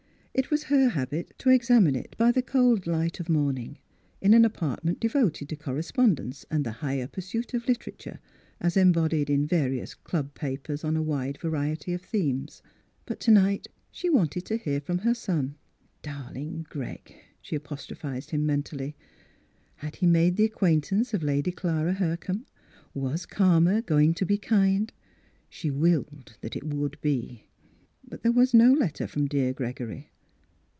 It was her habit to examine it by the cold light of morning, in an apartment devoted to correspondence and the higher pursuit of literature as embodied in various club papers on a wide variety of themes. But to night she wanted to hear from her son. "Darling Greg!" she apostrophised him mentally. Had he made the acquaintance of Lady Clara Hurcomb? Was Karma going to be kind? She willed that it should be. But there was no letter from dear Greg ory.